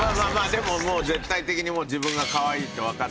でももう絶対的に自分がかわいいってわかっててあげてる。